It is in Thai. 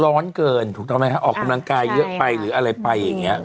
ร้อนเกินถูกหรอกไหมคะออกกำลังกายเยอะไปหรืออะไรไป